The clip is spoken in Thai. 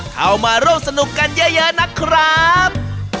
เข้ามาร่วมสนุกกันเยอะนะครับ